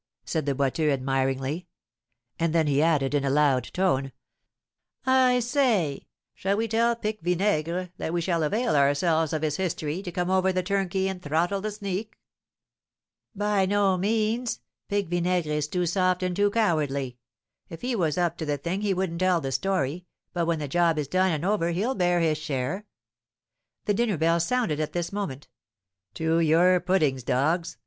said the Boiteux, admiringly; and then he added, in a loud tone, "I say, shall we tell Pique Vinaigre that we shall avail ourselves of his history to come over the turnkey and throttle the sneak?" "By no means; Pique Vinaigre is too soft and too cowardly. If he was up to the thing he wouldn't tell the story, but when the job is done and over he'll bear his share." The dinner bell sounded at this moment. "To your puddings, dogs!"